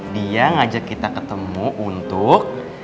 dia ngajak kita ketemu untuk